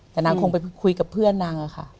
แต่นางคงไปคุยกับเพื่อนนางอะค่ะ